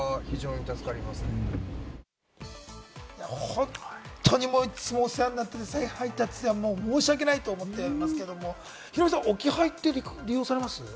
本当にいつもお世話になってて再配達では申し訳ないと思ってますけれども、ヒロミさん、置き配って利用されます？